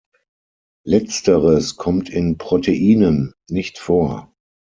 Letzteres kommt in Proteinen nicht vor.